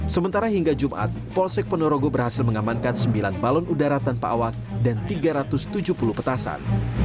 sementara hingga jumat polsek ponorogo berhasil mengamankan sembilan balon udara tanpa awak dan tiga ratus tujuh puluh petasan